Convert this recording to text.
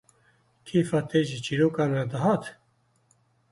Kêfa te ji çîrokan re dihat?